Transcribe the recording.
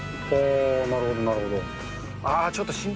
なるほど、なるほど。